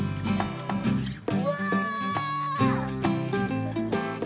うわ！